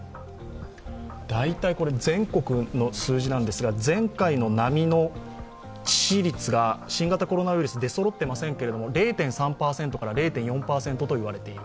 大体全国の数字なんですが前回の波が致死率が新型コロナウイルス、出そろっていませんけど０．３０．４％といわれている。